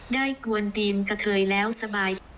ได้กวนตีนกะเทยแล้วสบาย